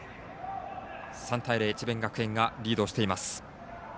３対０、智弁学園がリードしています。